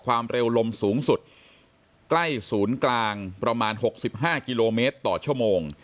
ความเร็วลมสูงสุดใกล้ศูนย์กลางประมาณ๖๕กิโลเมตรต่อชั่วโมง